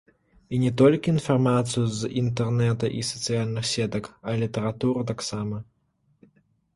І не толькі інфармацыю з інтэрнэта і сацыяльных сетак, а і літаратуру таксама.